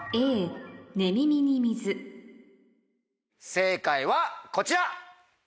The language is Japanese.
正解はこちら！